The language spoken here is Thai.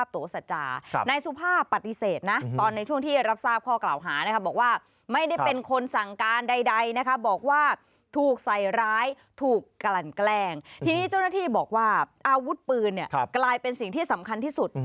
ทีนี้เจ้าหน้าที่บอกว่าอาวุธปืนกลายเป็นสิ่งที่สำคัญที่สุด